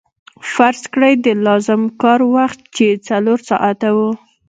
فرض کړئ د لازم کار وخت چې څلور ساعته وو